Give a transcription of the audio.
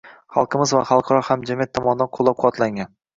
Xalqimiz va xalqaro hamjamiyat tomonidan qoʻllab-quvvatlangan